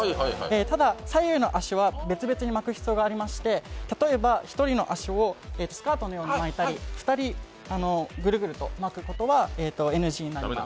ただ、左右の足は別々に巻く必要がありまして、例えば一人の足をスカートのように巻いたり２人ぐるぐると巻くことはＮＧになります。